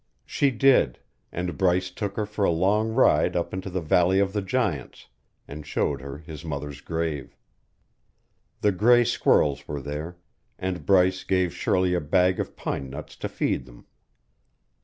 She did, and Bryce took her for a long ride up into the Valley of the Giants and showed her his mother's grave. The gray squirrels were there, and Bryce gave Shirley a bag of pine nuts to feed them.